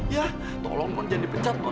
ya tolong non jangan dipecat non